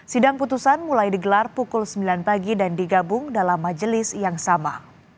sidang putusan mulai digelar pukul sembilan pagi dan digabung dalam majelis yang sama